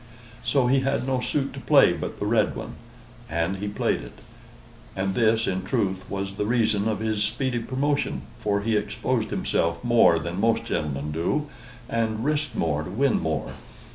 So he had no suit to play but the red one, and he played it; and this, in truth, was the reason of his speedy promotion; for he exposed himself more than most gentlemen do, and risked more to win more.